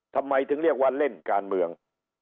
ทำไมถึงเรียกว่าเล่นการเมือง